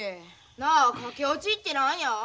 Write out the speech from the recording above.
なあ駆け落ちって何や？